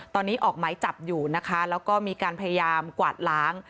ตอนนี้ออกหมายจับอยู่นะคะแล้วก็มีการพยายามกวาดล้าง